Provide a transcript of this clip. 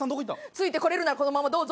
ついてこれるならこのままどうぞ。